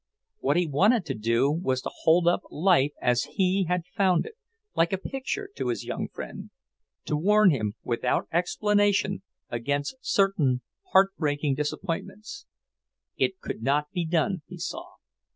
What he wanted to do was to hold up life as he had found it, like a picture, to his young friend; to warn him, without explanation, against certain heart breaking disappointments. It could not be done, he saw.